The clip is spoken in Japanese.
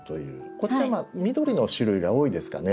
こちらは緑の種類が多いですかね。